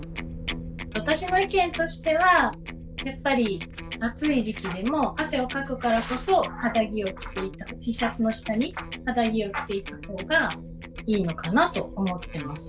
私の意見としてはやっぱり暑い時期でも汗をかくからこそＴシャツの下に肌着を着ていく方がいいのかなと思ってます。